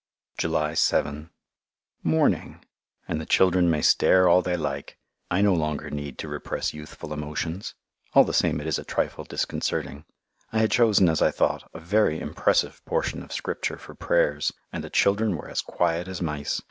July 7 Morning! And the children may stare all they like. I no longer need to repress youthful emotions. All the same it is a trifle disconcerting. I had chosen, as I thought, a very impressive portion of Scripture for Prayers, and the children were as quiet as mice.